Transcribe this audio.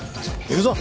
行くぞ！